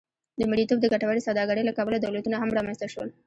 د مریتوب د ګټورې سوداګرۍ له کبله دولتونه هم رامنځته شول.